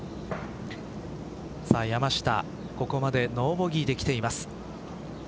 山下、ここまでノーボギーできています。